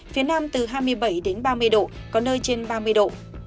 phía nam từ hai mươi bảy ba mươi độ có nơi trên ba mươi độ